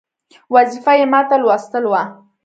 وظیفه یې ماته لوستل وه.